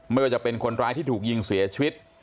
ไม่ว่าจะเป็นคนร้ายที่ถูกยิงเสียชีวิต